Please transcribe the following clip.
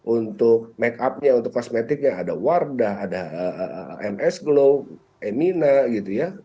untuk make up nya untuk kosmetiknya ada wardah ada ms glow emina gitu ya